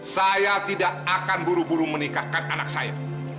saya tidak akan buru buru menikahkan anak saya